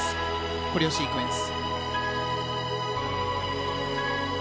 コレオシークエンス。